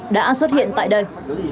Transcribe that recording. đã xuất hiện tại đây